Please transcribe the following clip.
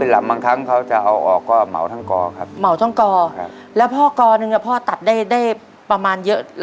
ดำไกว่า